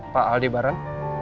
pak aldi baran